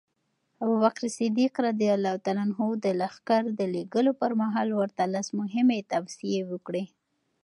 ابوبکر صدیق د لښکر د لېږلو پر مهال ورته لس مهمې توصیې وکړې.